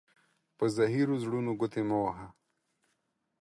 په زهيرو زړونو گوتي مه وهه.